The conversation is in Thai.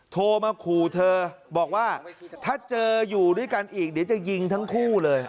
โทรมาขู่เธอบอกว่าถ้าเจออยู่ด้วยกันอีกเดี๋ยวจะยิงทั้งคู่เลย